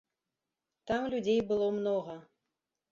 Там людзей было многа.